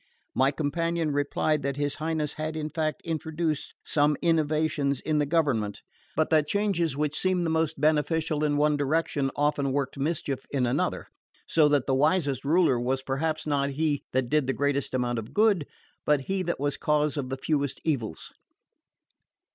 My companion replied that his Highness had in fact introduced some innovations in the government; but that changes which seemed the most beneficial in one direction often worked mischief in another, so that the wisest ruler was perhaps not he that did the greatest amount of good, but he that was cause of the fewest evils.